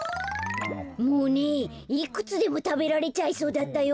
もういくつでもたべられちゃいそうだったよ。